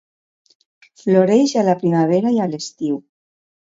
Floreix a la primavera i l’estiu.